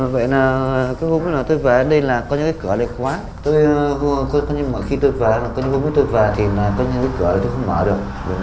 vậy là tôi về đây là có những cửa đẹp quá mỗi khi tôi về hôm nay tôi về thì có những cửa không mở được